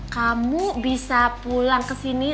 kamu bisa pulang ke sini